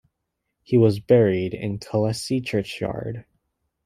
He was buried in Collessie churchyard.